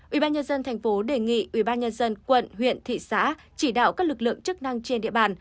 ubnd tp đề nghị ubnd quận huyện thị xã chỉ đạo các lực lượng chức năng trên địa bàn